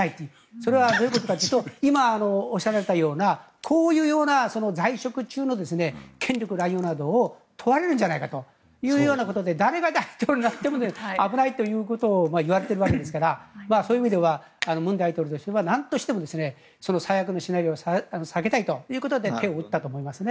それはどういうことかというと今、おっしゃられたようなこういうような在職中の権力乱用などを問われるんじゃないかということで誰が大統領になっても危ないということをいわれているわけですからそういう意味では文大統領としてはなんとしても最悪のシナリオは避けたいということで手を打ったと思いますね。